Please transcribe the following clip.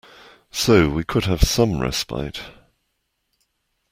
So we could have some respite.